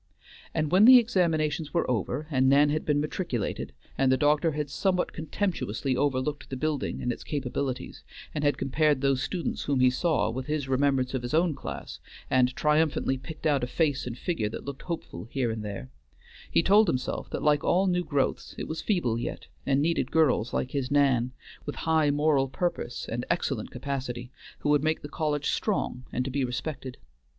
And when the examinations were over, and Nan had been matriculated, and the doctor had somewhat contemptuously overlooked the building and its capabilities, and had compared those students whom he saw with his remembrance of his own class, and triumphantly picked out a face and figure that looked hopeful here and there; he told himself that like all new growths it was feeble yet, and needed girls like his Nan, with high moral purpose and excellent capacity, who would make the college strong and to be respected.